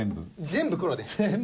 全部黒です。